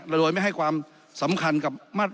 เราโดยไม่ให้ความสำคัญกับ